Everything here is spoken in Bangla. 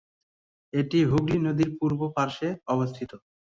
এটি হুগলি নদীর পূর্ব পাড়ে অবস্থিত।